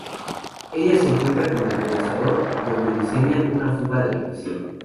Ella se encuentra con el Pensador donde diseñan una fuga de la prisión.